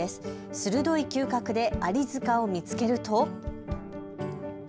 鋭い嗅覚であり塚を見つけると。